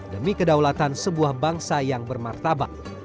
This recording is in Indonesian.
demi kedaulatan sebuah bangsa yang bermartabat